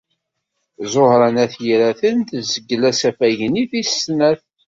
Ẓuhṛa n At Yiraten tezgel asafag-nni n tis snat.